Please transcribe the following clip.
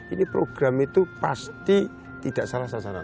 ini program itu pasti tidak salah sasaran